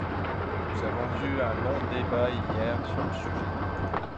Nous avons eu un long débat hier sur le sujet.